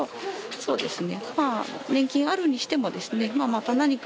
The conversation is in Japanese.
そうですね。